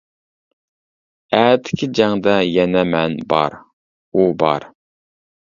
ئەتىكى جەڭدە يەنە مەن بار، ئۇ بار.